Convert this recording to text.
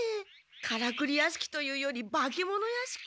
カラクリ屋敷というより化け物屋敷。